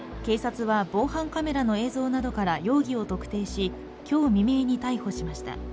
警察は防犯カメラの映像などから容疑を特定し今日未明に逮捕しました。